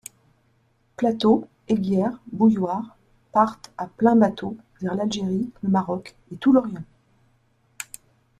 Plateau, aiguières, bouilloires, partent à pleins bateaux vers l’Algérie, le Maroc et tout l'Orient.